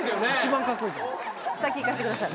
先行かしてください。